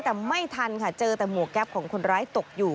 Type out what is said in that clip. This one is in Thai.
แต่ไม่ทันค่ะเจอแต่หมวกแก๊ปของคนร้ายตกอยู่